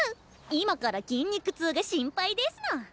今から筋肉痛が心配ですの。